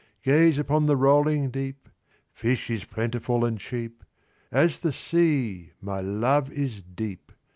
"Gaze upon the rolling deep ("Fish is plentiful and cheap) "As the sea, my love is deep!"